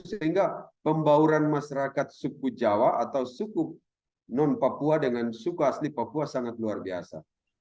sehingga pembauran masyarakat suku jawa atau suku non papua dengan suku asli papua sangat luar biasa